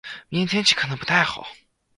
明天的天气可能不太好。